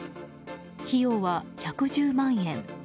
費用は１１０万円。